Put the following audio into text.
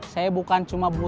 saya bukan cuma buat transport